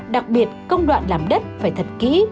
đặc biệt công đoạn làm đất phải thật kỹ